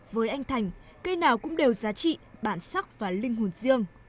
với anh thành cây nào cũng đều giá trị bản sắc và linh hồn riêng